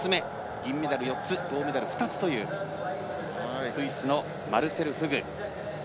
銀メダル４つ銅メダル２つというスイスのマルセル・フグ。